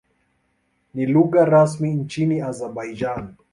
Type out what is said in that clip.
Ni lugha rasmi nchini Azerbaijan.